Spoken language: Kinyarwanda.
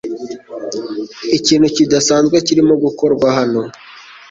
Ikintu kidasanzwe kirimo gukorwa hano .